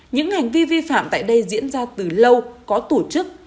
những hành vi vi phạm tại đây diễn ra từ lâu có tổ chức